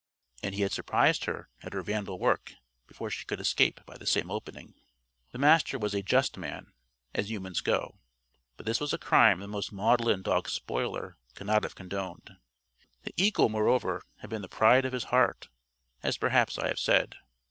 And he had surprised her at her vandal work before she could escape by the same opening. The Master was a just man as humans go; but this was a crime the most maudlin dog spoiler could not have condoned. The eagle, moreover, had been the pride of his heart as perhaps I have said.